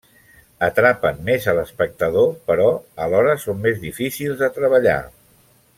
Atrapen més a l’espectador però alhora són més difícils de treballar.